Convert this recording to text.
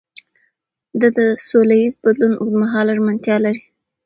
ده د سولهییز بدلون اوږدمهاله ژمنتیا لري.